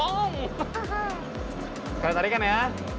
sekarang tarikan ya